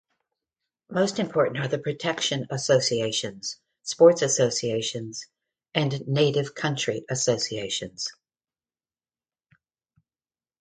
Most important are the protection associations, sports associations and native country associations.